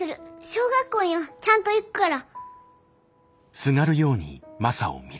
小学校にはちゃんと行くから。